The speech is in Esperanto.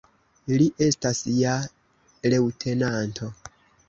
Li estas ja leŭtenanto.